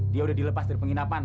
dia udah dilepas dari penginapan